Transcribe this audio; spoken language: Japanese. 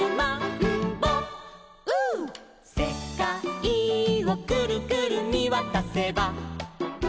「せかいをくるくるみわたせば」